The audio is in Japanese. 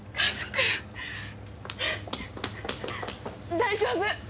大丈夫？